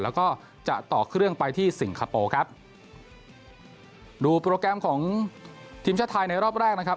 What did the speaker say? แล้วก็จะต่อเครื่องไปที่สิงคโปร์ครับดูโปรแกรมของทีมชาติไทยในรอบแรกนะครับ